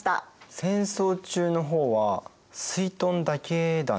戦争中の方はすいとんだけだね。